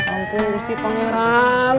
ya ampun gusti tongeran